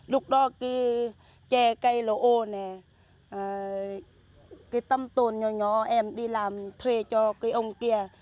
lúc đó cái che cây lỗ ô nè cái tăm tồn nhỏ nhỏ em đi làm thuê cho cái ông kia